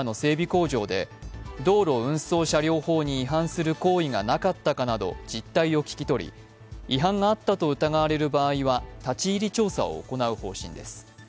工場で道路運送車両法に違反する行為がなかったかなど実態を聞き取り、違反があったと疑われる場合は、立ち入り調査を行う方針です。